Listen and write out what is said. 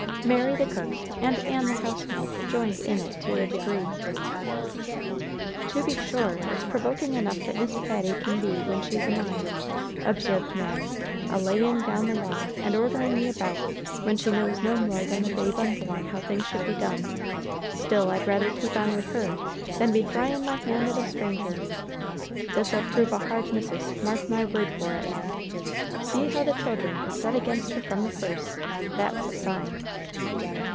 Mary the cook and Ann the housemaid joined in it to a degree. "To be sure, it's provoking enough that Miss Patty can be when she's a mind," observed Mary; "a laying down the law, and ordering me about, when she knows no more than the babe unborn how things should be done! Still, I'd rather keep on wid her than be thrying my hand at a stranger. This'll prove a hard missis, mark my word for it, Ann! See how the children is set against her from the first! That's a sign."